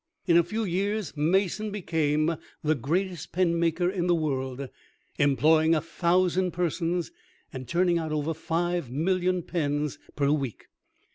In a few years, Mason became the greatest pen maker in the world, employing a thousand persons, and turning out over five million pens per week.